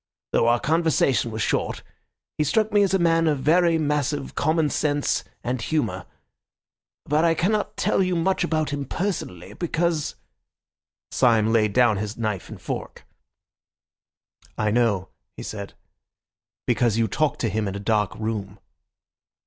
Though our conversation was short, he struck me as a man of very massive common sense and humour; but I cannot tell you much about him personally, because—" Syme laid down his knife and fork. "I know," he said, "because you talked to him in a dark room."